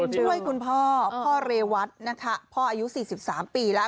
ช่วยคุณพ่อพ่อเรวัตนะคะพ่ออายุ๔๓ปีแล้ว